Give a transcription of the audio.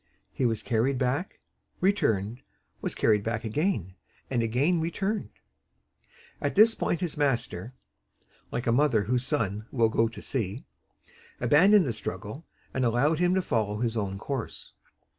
He was carried back, returned, was carried back again, and again returned. At this point his master "like a mother whose son will go to sea" abandoned the struggle and allowed him to follow his own course.